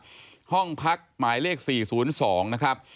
ไปหมดนะครับห้องพักหมายเลขสี่ศูนย์สองนะครับ